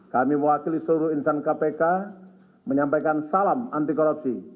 kami mewakili seluruh insan kpk menyampaikan salam anti korupsi